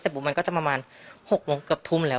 แต่ปุ๊บมันก็จะประมาณหกโมงเกือบทุ่มแล้ว